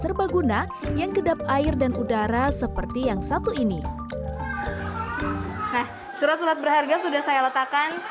serbaguna yang kedap air dan udara seperti yang satu ini nah surat surat berharga sudah saya letakkan